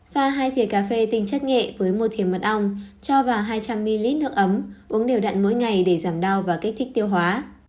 pha hai thịa cà phê tinh chất nghệ với một thịa mặt ong cho vào hai trăm linh ml nước ấm uống đều đặn mỗi ngày để giảm đau và kích thích tiêu hóa